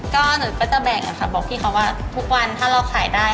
ก็หนูก็จะแบ่งค่ะบอกพี่เขาว่าทุกวันถ้าเราขายได้